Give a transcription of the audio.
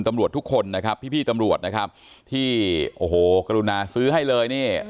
ตำรวจทุกคนนะครับพี่พี่ตำรวจนะครับที่โอ้โหกรุณาซื้อให้เลยนี่